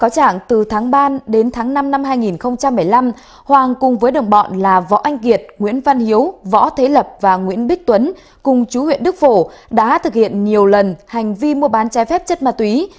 trần hoàng cùng với đồng bọn là võ anh kiệt nguyễn văn hiếu võ thế lập và nguyễn bích tuấn cùng chú huyện đức phổ đã thực hiện nhiều lần hành vi mua bán trái phép chất ma túy